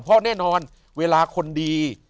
เพราะแน่นอนเวลาคนดี